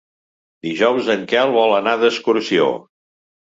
Dijous en Quel vol anar d'excursió.